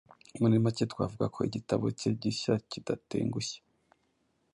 Muri make, twavuga ko igitabo cye gishya kidatengushye.